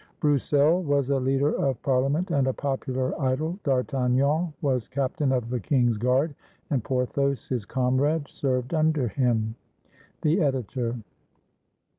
Broussel was a leader of Parliament and a popular idol. D'Artagnan was captain of the king's guard, and Porthos, his comrade, served under him. The Editor.